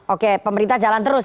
oke pemerintah jalan terus